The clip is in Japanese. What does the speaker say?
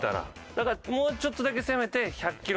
だからもうちょっとだけ攻めて。